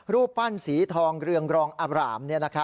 รูปปั้นสีทองเรืองรองอบราม